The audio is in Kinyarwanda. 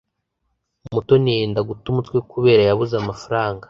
Mutoni yenda guta umutwe kubera yabuze amafaranga.